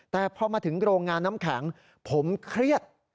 แต่พอมาถึงโรงงานน้ำแข็งผมเครียด